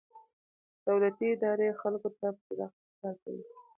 دولتي ادارې خلکو ته په صداقت کار کوي.